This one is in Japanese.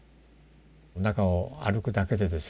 中を歩くだけでですね